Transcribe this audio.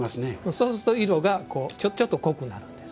そうすると色がこうちょっと濃くなるんです。